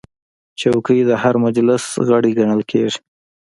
چوکۍ د هر مجلس غړی ګڼل کېږي.